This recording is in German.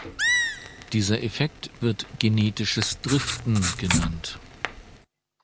Dieser Effekt wird genetisches Driften genannt.